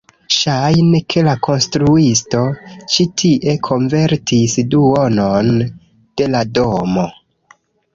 Ŝajne, ke la konstruisto ĉi tie konvertis duonon de la domo